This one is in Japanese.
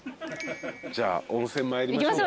じゃあ温泉参りましょう。